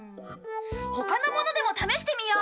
他のものでも試してみよう。